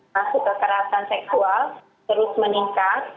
masuk kekerasan seksual terus meningkat